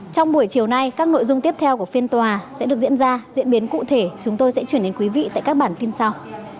trong buổi chiều nay các nội dung tiếp theo của phiên tòa sẽ được diễn ra diễn biến cụ thể chúng tôi sẽ chuyển đến quý vị tại các bản tin sau